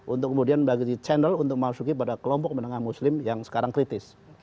untuk kemudian bagi channel untuk masuki pada kelompok menengah muslim yang sekarang kritis